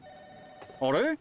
あれ？